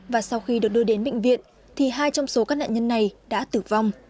và sau khi được đưa đến bệnh viện thì hai trong số các nạn nhân này đã tử vong